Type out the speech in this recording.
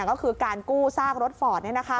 ก็คือการกู้ซากรถฟอร์ด